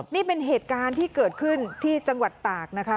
นี่เป็นเหตุการณ์ที่เกิดขึ้นที่จังหวัดตากนะคะ